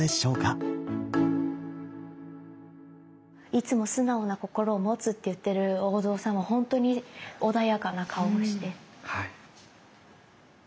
「いつも、すなおな心を持つ」って言ってるお像さんはほんとに穏やかな顔をして。